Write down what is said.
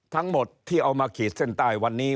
ทั้งหมดที่เอามาขีดเส้นใต้วันนี้